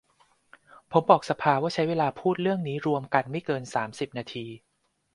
ผมบอกว่าสภาใช้เวลาพูดเรื่องนี้รวมกันไม่เกิน สามสิบ นาที